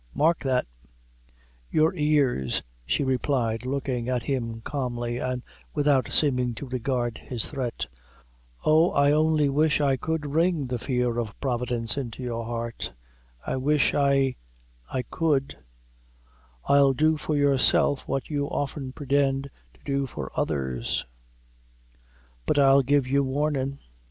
mark that!" "Your ears," she replied, looking at him calmly, and without seeming to regard his threat; "oh, I only wish I could ring the fear of Providence into your heart I wish I I could; I'll do for yourself what you often pretend to do for others: but I'll give you warnin'.